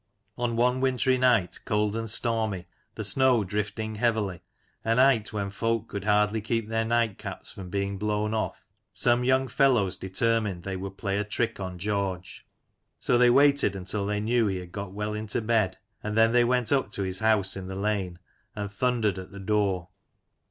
On one wintry night, cold and stormy, the snow drifting heavily, a night when folk could hardly keep their night caps from being blown off, some young fellows deter mined they would play a trick on George. So they waited until they kneW he had got well into bed, and then they went up to his house in the Lane and thundered at the door.